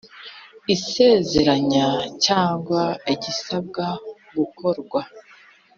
isezeranya cyangwa igisabwa gukorwa .